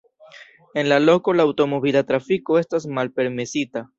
En la loko la aŭtomobila trafiko estas malpermesita.